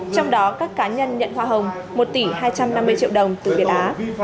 trong đó các cá nhân nhận hoa hồng một tỷ hai trăm năm mươi triệu